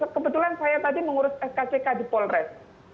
kebetulan saya tadi mengurus skck di polres